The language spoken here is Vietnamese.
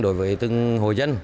đối với từng hồ dân